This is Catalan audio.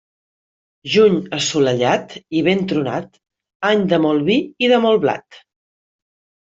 Juny assolellat i ben tronat, any de molt vi i de molt blat.